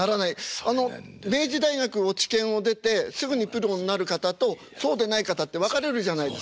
あの明治大学落研を出てすぐにプロになる方とそうでない方って分かれるじゃないですか。